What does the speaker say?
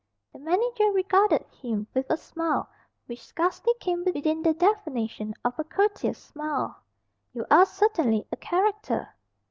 The manager regarded him with a smile which scarcely came within the definition of a "courteous smile." "You are certainly a character."